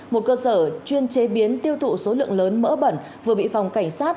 một cơ sở chuyên chế biến tiêu thụ số lượng lớn mỡ bẩn vừa bị phòng cảnh sát